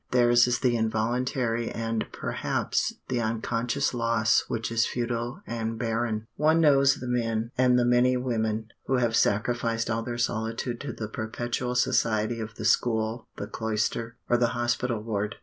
Theirs is the involuntary and perhaps the unconscious loss which is futile and barren. One knows the men, and the many women, who have sacrificed all their solitude to the perpetual society of the school, the cloister, or the hospital ward.